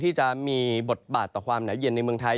ที่จะมีบทบาทต่อความหนาวเย็นในเมืองไทย